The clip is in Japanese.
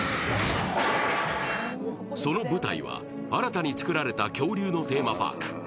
その舞台は、新たにつくられた恐竜のテーマパーク。